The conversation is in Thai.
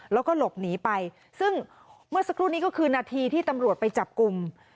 แล้วก็หลบหนีไปซึ่งเมื่อสักครู่นี้ก็คือนาทีที่ตำรวจไปจับกลุ่ม